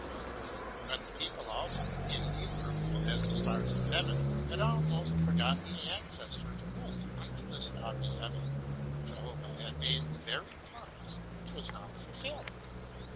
'' But the people also, innumerable as the stars of heaven, had almost forgotten the ancestor to whom, under the starry heaven, Jehovah had made the very promise which was now fulfilled.